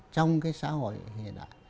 trong cái xã hội hiện đại